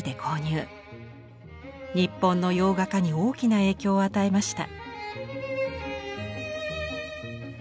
日本の洋画家に大きな影響を与えました。